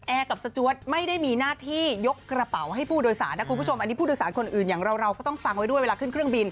กับสจวดไม่ได้มีหน้าที่ยกกระเป๋าให้ผู้โดยสารนะคุณผู้ชมอันนี้ผู้โดยสารคนอื่นอย่างเราเราก็ต้องฟังไว้ด้วยเวลาขึ้นเครื่องบิน